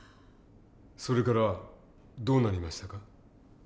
それからどうなりましたか？